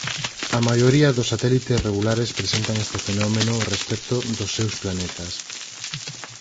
A maioría dos satélites regulares presentan este fenómeno respecto dos seus planetas.